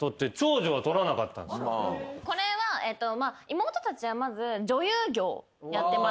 これは妹たちはまず。